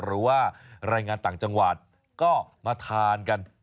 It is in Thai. หรือว่ารายงานต่างจังหวัดก็มาทานกัน